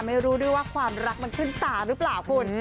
ไม่รู้ด้วยว่าความรักมันขึ้นตาหรือเปล่าคุณ